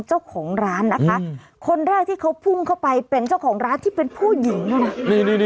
เจ้าของร้านนะคะคนแรกที่เขาพุ่งเข้าไปเป็นเจ้าของร้านที่เป็นผู้หญิงด้วยนะ